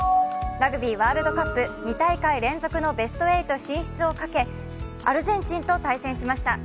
ラグビーワールドカップ、２大会連続のベスト８進出をかけアルゼンチンと対戦しました。